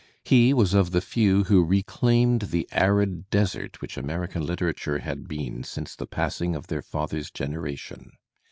He was of the A. few who reclaimed the arid desert which American literature had been since the passing of their fathers' generation.